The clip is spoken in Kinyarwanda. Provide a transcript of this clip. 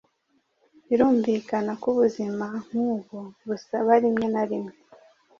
Birumvikana ko ubuzima nk’ubu busaba rimwe na rimwe